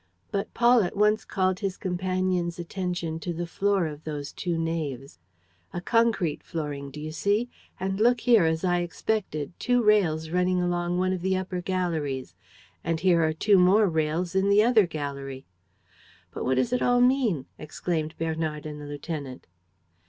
But Paul at once called his companions' attention to the floor of those two naves: "A concrete flooring, do you see? ... And, look there, as I expected, two rails running along one of the upper galleries! ... And here are two more rails in the other gallery! ..." "But what does it all mean?" exclaimed Bernard and the lieutenant.